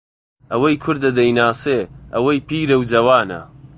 ئەوەی کوردە دەیناسێ ئەوەی پیرەو جەوانە